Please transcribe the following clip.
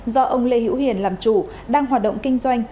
do ông lê hữu hiền làm chủ đang hoạt động kinh doanh